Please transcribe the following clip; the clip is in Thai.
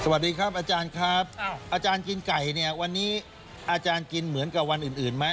สวัสดีครับอาจารย์ครับอาจารย์กินไก่เนี่ยวันนี้อาจารย์กินเหมือนกับวันอื่นไหม